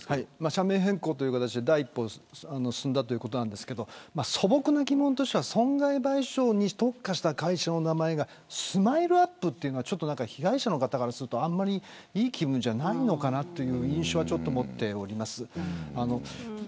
社名変更という形で第一歩が進んだということですが素朴な疑問としては損害賠償に特化した会社の名前がＳＭＩＬＥ−ＵＰ．というのは被害者の方からするとあまりいい気分じゃないのかなという印象はあります。